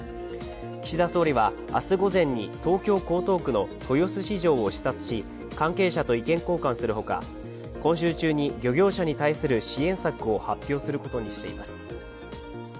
岸田総理は明日午前に東京・江東区の豊洲市場を視察し関係者と意見交換するほか、今週中に漁業者に対する支援策を発表することにしています。